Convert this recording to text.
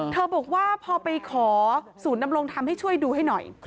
บอกว่าพอไปขอศูนย์ดำรงธรรมให้ช่วยดูให้หน่อย